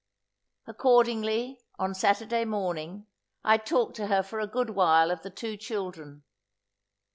Accordingly, on Saturday morning, I talked to her for a good while of the two children.